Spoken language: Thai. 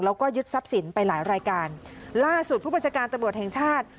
แล้วก็ยึดทรัพย์สินไปหลายรายการล่าสุดผู้บัญชาการตำรวจแห่งชาติ